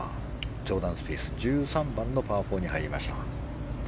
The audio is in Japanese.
ジョーダン・スピース１３番のパー４に入りました。